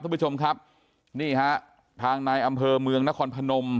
คุณผู้ชมครับนี่ฮะทางนายอำเภอเมืองนครพนม